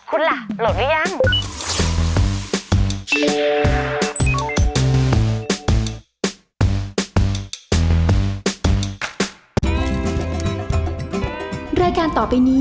คุณล่ะโหลดหรือยัง